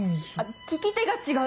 利き手が違う。